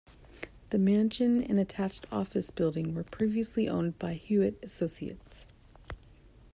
The mansion and attached office building were previously owned by Hewitt Associates.